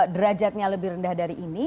derajatnya lebih rendah dari ini